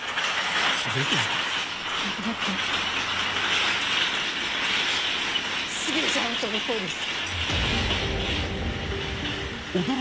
亡くなった重藤班長の声です。